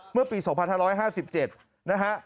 เมื่อปี๒๕๕๗นะฮะ